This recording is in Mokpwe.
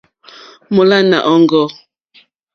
Mólánà òŋɡô.